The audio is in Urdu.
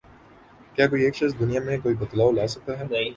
کیا کوئی ایک شخص دنیا میں کوئی بدلاؤ لا سکتا ہے؟